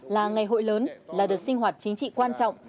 là ngày hội lớn là đợt sinh hoạt chính trị quan trọng